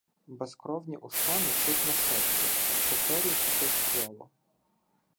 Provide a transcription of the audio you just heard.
Безкровні уста нечутно шепчуть — повторюють якесь слово.